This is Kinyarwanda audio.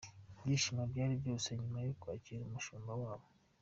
Ibyishimo byari byose nyuma yo kwakira umushumba wabo.